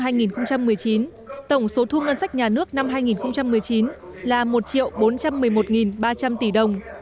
theo nghị quyết về dự toán ngân sách nhà nước năm hai nghìn một mươi chín tổng số thu ngân sách nhà nước năm hai nghìn một mươi chín là một bốn trăm một mươi một ba trăm linh tỷ đồng